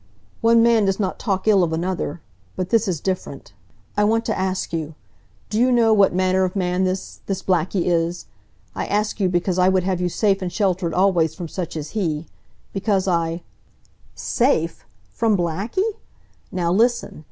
"One man does not talk ill of another. But this is different. I want to ask you do you know what manner of man this this Blackie is? I ask you because I would have you safe and sheltered always from such as he because I " "Safe! From Blackie? Now listen.